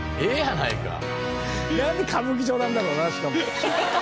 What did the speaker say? なんで歌舞伎町なんだろうなしかも。